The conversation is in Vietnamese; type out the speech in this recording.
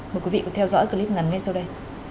mời quý vị cùng theo dõi clip ngắn ngay sau đây